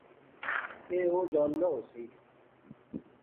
ایہہ او جاننا ہوسی